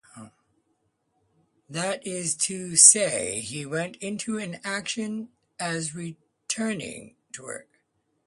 That is to say, he went into an action as returning to work.